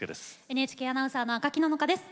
ＮＨＫアナウンサーの赤木野々花です。